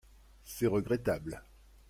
C’est regrettable.